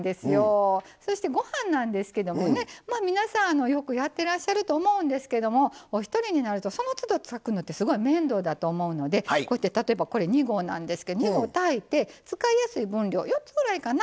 そして、ご飯なんですけど皆さん、よくやってらっしゃると思うんですけども１人になるとそのつど作るのって面倒だと思うので例えば、２合炊いて使いやすい分量４つぐらいかな。